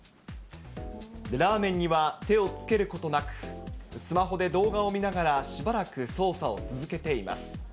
ラーメンには手をつけることなく、スマホで動画を見ながら、しばらく操作を続けています。